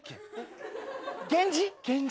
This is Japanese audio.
源氏？